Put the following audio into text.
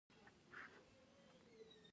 مذهب د انسان روحاني او اخلاقي برخه پياوړي کوي